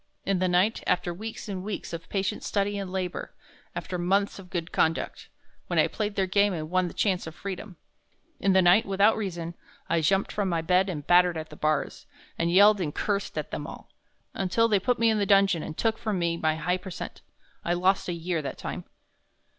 In the night, after weeks and weeks of patient study and labor after months of good conduct, when I played their game and won the chance of freedom. In the night, without reason, I jumped from my bed and battered at the bars and yelled and cursed at them all, until they put me in the dungeon and took from me my high percent. I lost a year that time."